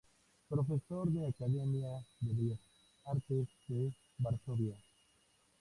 Profesor de Academia de Bellas Artes de Varsovia.